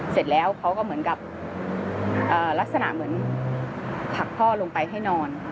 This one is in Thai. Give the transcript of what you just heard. เสร็จแล้วเขาก็เหมือนกับลักษณะเหมือนผลักพ่อลงไปให้นอน